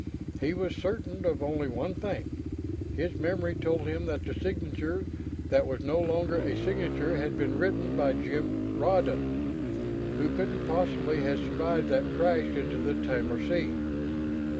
He was certain of only one thing. His memory told him that the signature that was no longer a signature had been written by Jim Rawdon, who couldn't possibly have survived that crash into the Timor Sea....